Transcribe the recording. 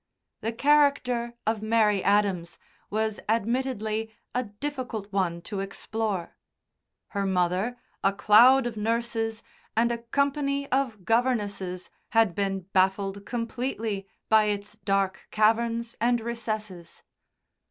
The character of Mary Adams was admittedly a difficult one to explore; her mother, a cloud of nurses and a company of governesses had been baffled completely by its dark caverns and recesses.